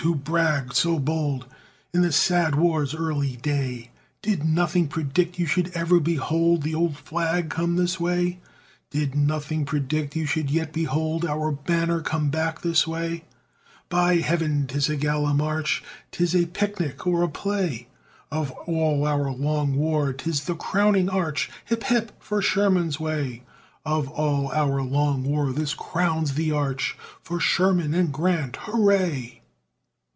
who bragged so bold In the sad war's early day, Did nothing predict you should ever behold The Old Flag come this way? Did nothing predict you should yet behold Our banner come back this way? By heaven! 'tis a gala march, 'Tis a picnic or a play; Of all our long war 'tis the crowning arch, Hip, hip! for Sherman's way! Of all our long war this crowns the arch For Sherman and Grant, hurrah!